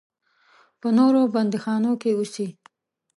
په نورو بندیخانو کې اوسي.